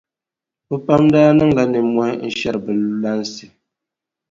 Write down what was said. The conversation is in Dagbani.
Bɛ pam daa niŋla nimmɔhi n-shɛri bɛ lansi.